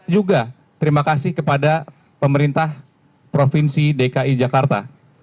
juga terima kasih kepada pemerintah provinsi dki jakarta